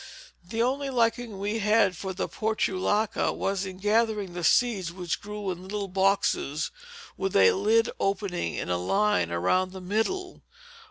The only liking we had for the portulaca was in gathering the seeds which grew in little boxes with a lid opening in a line around the middle.